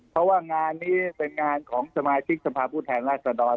เพราะว่างานนี้เป็นงานของสมาชิกสภาพผู้แทนราชดร